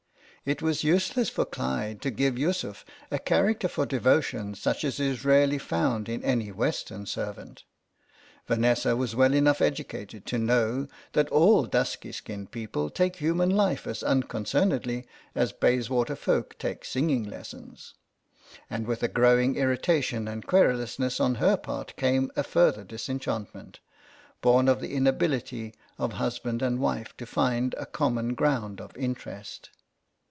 It was useless for Clyde to give Yussuf a char acter for devotion such as is rarely found in CROSS CURRENTS 99 any Western servant. Vanessa was well enough educated to know that all dusky skinned people take human life as uncon cernedly as Bayswater folk take singing lessons. And with a growing irritation and querulousness on her part came a further disenchantment, born of the inability of husband and wife to find a common ground of interest.